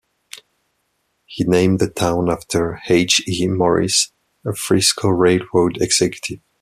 He named the town after H. E. Morris, a Frisco Railroad executive.